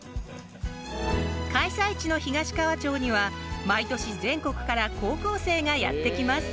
開催地の東川町には毎年全国から高校生がやってきます。